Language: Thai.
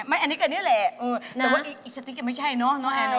อะไรอย่างนี้อันนี้แหละอือแต่ว่าอีกสติกไม่ใช่เนอะแอโร